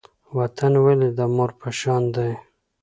وطن ولې د مور په شان دی؟